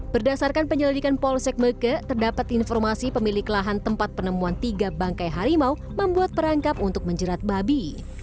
berdasarkan penyelidikan polsek meke terdapat informasi pemilik lahan tempat penemuan tiga bangkai harimau membuat perangkap untuk menjerat babi